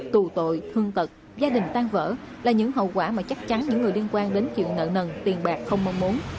tù tội thương tật gia đình tan vỡ là những hậu quả mà chắc chắn những người liên quan đến chuyện nợ nần tiền bạc không mong muốn